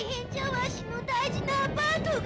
わしの大事なアパートが」